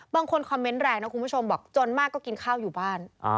บางคนคอมเมนต์แรงนะคุณผู้ชมบอกจนมากก็กินข้าวอยู่บ้าน